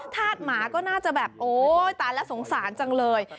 ธาตุหมาก็น่าจะแบบโอ๊ยตายแล้วสงสารจังเลย